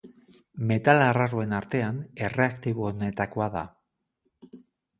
Metal arraroen artean erreaktiboenetakoa da.